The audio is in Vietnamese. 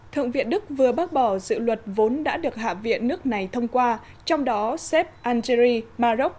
thượng viện đức vừa bác bỏ dự luật vốn đã được hạ viện nước này thông qua trong đó xếp algeri maroc